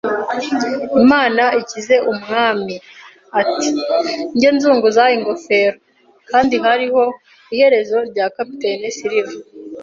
“Imana ikize umwami!” ati njye, nzunguza ingofero. “Kandi hariho iherezo rya Kapiteni Silver!”